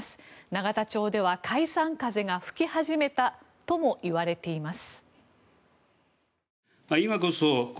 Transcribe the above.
永田町では解散風が吹き始めたともいわれています。